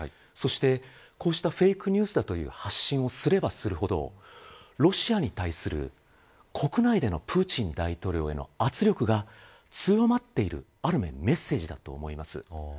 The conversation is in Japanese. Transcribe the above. そして、こうしたフェイクニュースだという発信をすればするほどロシアに対する国内でのプーチン大統領への圧力が強まっているある意味でメッセージだと思います。